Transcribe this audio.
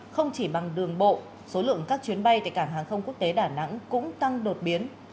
không chỉ bằng đường bộ số lượng các chuyến bay tại cảng hàng không quốc tế đà nẵng cũng tăng đột biến